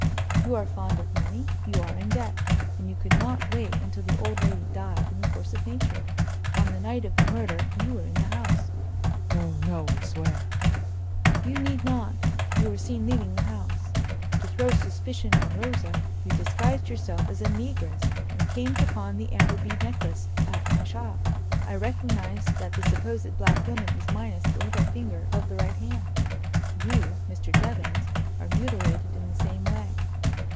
You are fond of money; you are in debt, and you could not wait until the old lady died in the course of nature. On the night of the murder you were in the house." "No, no! I swear—" "You need not; you were seen leaving the house. To throw suspicion on Rosa you disguised yourself as a negress, and came to pawn the amber bead necklace at my shop. I recognized that the supposed black woman was minus the little finger of the right hand. You, Mr. Jevons, are mutilated in the same way.